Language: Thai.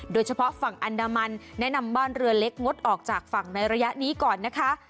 โดยเฉพาะฝั่งอันดามันแนะนำบ้านเรือเล็กงดออกจากฝั่งในระยะนี้ก่อนนะคะ